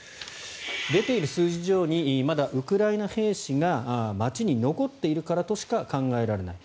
出ている数字以上にまだウクライナ兵士が街に残っているからとしか考えられない。